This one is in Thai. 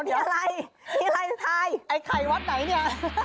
นี่อะไรนี่อะไรในทายไอ้ไขวัดไหนนี่